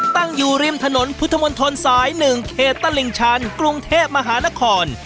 ตั้งอยู่ริมถนนพุทธมนตรสาย๑เขตตลิ่งชันกรุงเทพมหานคร